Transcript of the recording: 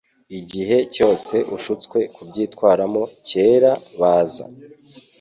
Igihe cyose ushutswe kubyitwaramo kera, baza,